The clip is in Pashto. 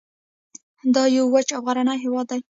دا یو وچ او غرنی هیواد دی